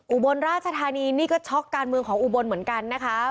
อุบลราชธานีนี่ก็ช็อกการเมืองของอุบลเหมือนกันนะคะ